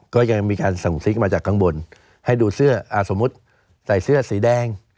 ก็ยังมีการส่งซิกมาจากข้างบนให้ดูเสื้อสมมุติใส่เสื้อสีแดง